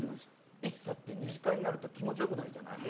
ＩＳＳＡって、２次会になると気持ちいいじゃない。